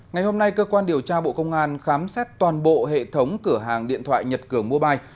ngày hôm nay cơ quan điều tra bộ công an khám xét toàn bộ hệ thống cửa hàng điện thoại nhật cường mobile